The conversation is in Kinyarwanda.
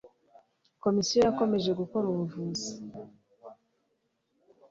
Komisiyo yakomeje gukora ubuvugizi